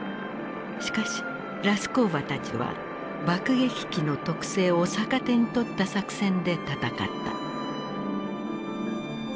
しかしラスコーヴァたちは爆撃機の特性を逆手に取った作戦で戦った。